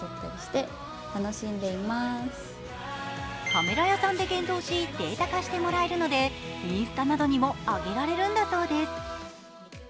カメラ屋さんで現像しデータ化してもらえるのでインスタなどにも上げられるんだそうです。